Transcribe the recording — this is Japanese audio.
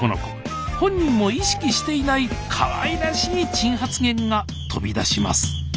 本人も意識していないかわいらしい珍発言が飛び出します